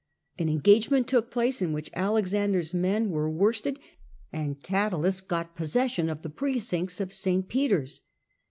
An engagement took place in ^^^^^ which Alexander's men were worsted, and of Rome Cadalus got possession of the precincts of St. Peter's.